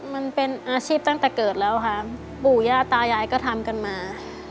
มันเป็นอาชีพตั้งแต่เกิดแล้วค่ะปู่ย่าตายายก็ทำกันมา